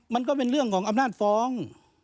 มันก็เป็นเรื่องของอำนาจฟ้อง